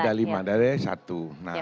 ada lima dari satu